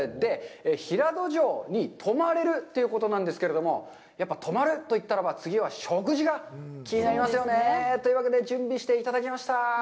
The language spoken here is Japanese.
平戸城に泊まれるということなんですけれども、やっぱり泊まるといったらば、次は食事が気になりますよね？というわけで準備していただきました。